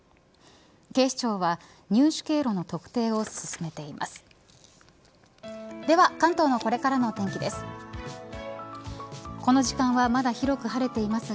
警視庁は入手経路の特定を進めています。